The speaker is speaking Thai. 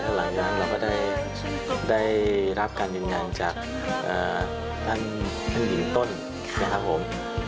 หลายครั้งเราก็ได้รับการยืนยันจากท่านหญิงต้นนะครับผม